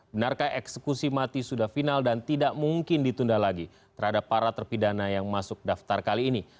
benarkah eksekusi mati sudah final dan tidak mungkin ditunda lagi terhadap para terpidana yang masuk daftar kali ini